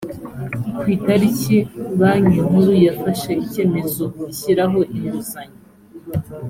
ku itariki banki nkuru yafashe icyemezo gishyiraho inguzanyo